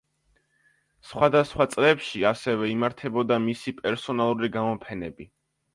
სხვადასხვა წლებში, ასევე, იმართებოდა მისი პერსონალური გამოფენები.